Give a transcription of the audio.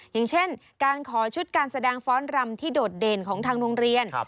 อย่างเช่นการขอชุดการแสดงฟ้อนรำที่โดดเด่นของทางโรงเรียน